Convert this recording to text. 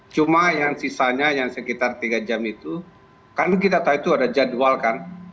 cuma yang sisanya yang sekitar tiga jam itu kan kita tahu itu ada jadwal kan